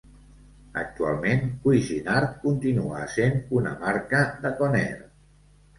Actualment, Cuisinart continua essent una marca de Conair.